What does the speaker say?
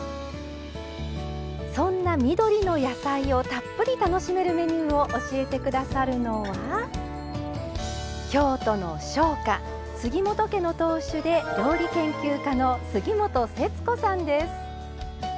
そんな緑の野菜をたっぷり楽しめるメニューを教えてくださるのは京都の商家・杉本家の当主で料理研究家の杉本節子さんです。